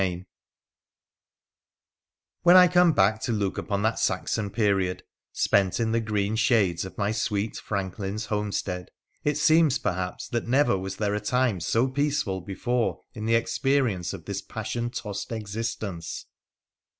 CHAPTER VI When I come to look back upon that Saxon period, spent in the green shades of my sweet franklin's homestead, it seems, perhaps, that never was there a time so peaceful before in the experience of this passion tossed existence